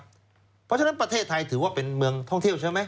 เพราะฉะนั้นประเทศไทยถือว่าเป็นเมืองท่องเที่ยวใช่ไหม